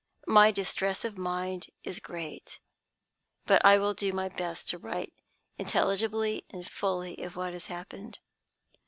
My distress of mind is great. But I will do my best to write intelligibly and fully of what has happened.